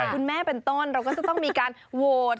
คุณแม่เป็นต้นเราก็จะต้องมีการโหวต